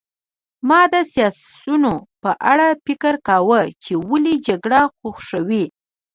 ما د سیاسیونو په اړه فکر کاوه چې ولې جګړه خوښوي